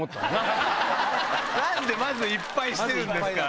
何でまず１敗してるんですか。